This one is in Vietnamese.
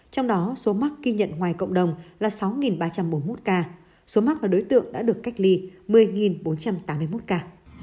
trong đó số mắc ghi nhận ngoài cộng đồng là sáu ba trăm bốn mươi một ca số mắc là đối tượng đã được cách ly một mươi bốn trăm tám mươi một ca